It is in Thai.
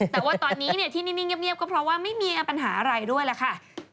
แต่ว่าตอนนี้ที่นิ่งเงียบก็เพราะว่าไม่มีปัญหาอะไรด้วยล่ะค่ะ